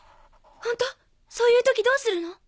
ホント⁉そういう時どうするの？